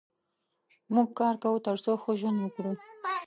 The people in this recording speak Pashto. موږ کار کوو تر څو ښه ژوند وکړو.